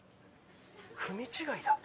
組違いだ。